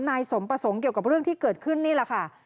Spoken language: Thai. นายสมประสงค์เกี่ยวกับเรื่องที่เกิดขึ้นนี่แหละค่ะ